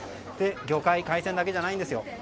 魚介、海鮮だけじゃないんですよ。